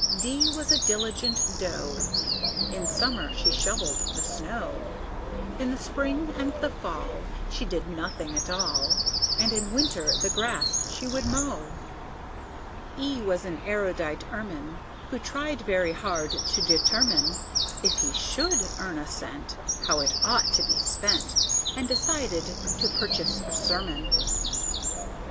D was a diligent Doe, In summer she shovelled the snow; In the spring and the fall She did nothing at all, And in winter the grass she would mow. E was an erudite Ermine, Who tried very hard to determine If he should earn a cent, How it ought to be spent, And decided to purchase a sermon.